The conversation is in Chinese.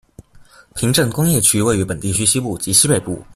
平镇工业区位于本地区西部及西北部。